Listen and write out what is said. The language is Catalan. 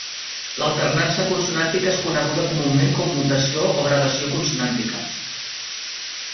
L'alternança consonàntica és coneguda comunament com mutació o gradació consonàntica.